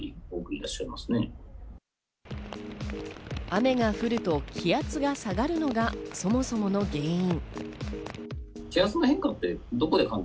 雨が降ると気圧が下がるのがそもそもの原因。